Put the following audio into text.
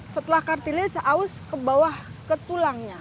setelah kartilege aus ke bawah ke tulangnya